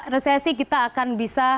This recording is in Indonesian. resesi kita akan bisa